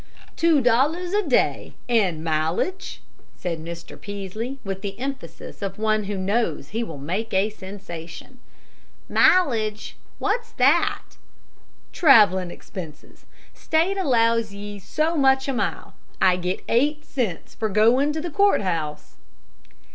"Two dollars a day and mileage," said Mr. Peaslee, with the emphasis of one who knows he will make a sensation. "Mileage? What's that?" "Travelin' expenses. State allows ye so much a mile. I get eight cents for goin' to the courthouse."